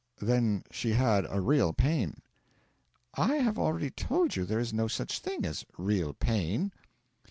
'Then she had a real pain?' 'I have already told you there is no such thing as real pain.'